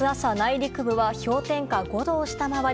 陸部は氷点下５度を下回り